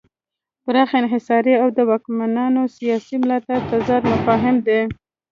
پراخ انحصار او د واکمنانو سیاسي ملاتړ متضاد مفاهیم دي.